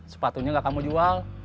sepatunya gak kamu jual